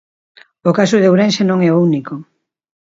O caso de Ourense non é o único.